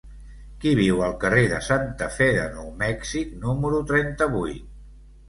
Qui viu al carrer de Santa Fe de Nou Mèxic número trenta-vuit?